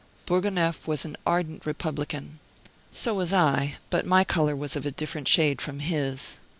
Bourgonef was an ardent republican. So was I; but my color was of a different shade from his.